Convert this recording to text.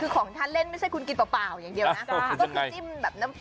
ของทันเล่นไม่ใช่ว่ากินเปล่าอย่างเดียวนะ